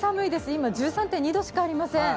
今１３．２度しかありません。